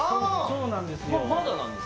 そうなんですよ。